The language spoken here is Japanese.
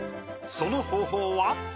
その方法は。